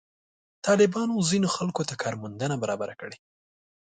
طالبانو ځینو خلکو ته کار موندنه برابره کړې.